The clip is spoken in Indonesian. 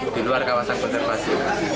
di luar kawasan konservasi